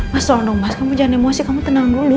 mas tolong dong mas kamu jangan emosi kamu tenang dulu